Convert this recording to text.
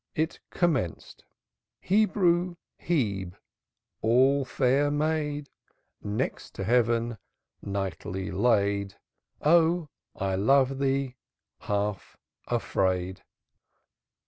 It commenced: Hebrew Hebe All fair Maid, Next to Heaven Nightly laid Ah, I love you Half afraid.